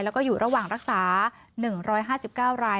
แล้วก็อยู่ระหว่างรักษา๑๕๙ราย